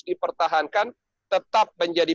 dipertahankan tetap menjadi